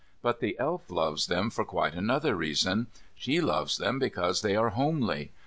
But the Elf loves them for quite another reason. She loves them because they are homely.